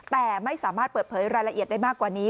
แต่ไม่สามารถเปิดเผยรายละเอียดได้มากกว่านี้